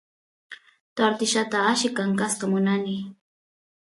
tortillata alli kankasqa munani